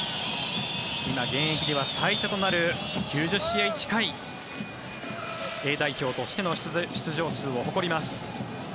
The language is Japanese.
今、現役では最多となる９０試合近いＡ代表としての出場数を誇ります。